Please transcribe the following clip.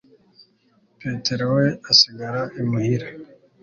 petero we asigara imuhira